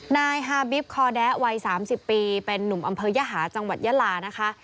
นายฮาบิฟคอแด๊วัย๓๐ปีเป็นนุ่มอำเภอยหาจังหวัดยาลานะคะ